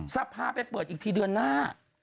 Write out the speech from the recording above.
สภาไปเปิดอีกทีเดือนหน้า